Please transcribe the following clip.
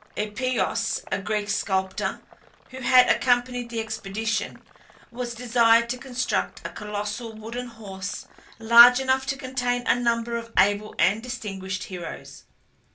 Epeios, a Greek sculptor, who had accompanied the expedition, was desired to construct a colossal wooden horse large enough to contain a number of able and distinguished heroes.